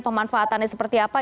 pemanfaatannya seperti apa